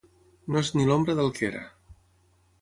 No és ni l'ombra del que era.